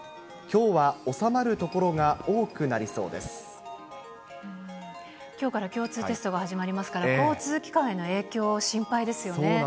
きょうは収まる所が多くなりそうきょうから共通テストが始まりますから、交通機関への影響、心配ですよね。